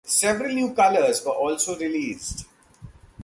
Several new colours were also released.